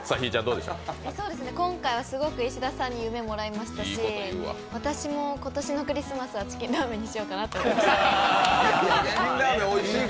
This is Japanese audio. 今回はすごく石田さんに夢、もらいましたし私も今年のクリスマスはチキンラーメンにしようかなと思いました。